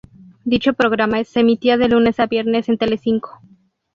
Dicho programa se emitía de lunes a viernes en Telecinco.